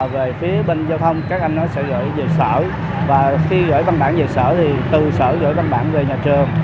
về phía bên giao thông các em nó sẽ gửi về sở và khi gửi văn bản về sở thì từ sở gửi văn bản về nhà trường